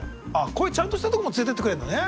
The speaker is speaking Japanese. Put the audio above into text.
こういうちゃんとしたとこも連れてってくれるんだね。